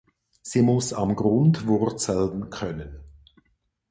Sie muss am Grund wurzeln können.